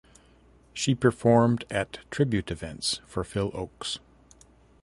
She performed at tribute events for Phil Ochs.